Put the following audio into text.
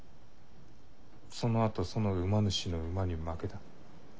そのあとその馬主の馬に負けた。